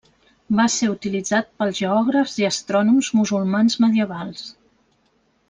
Va ser utilitzat pels geògrafs i astrònoms musulmans medievals.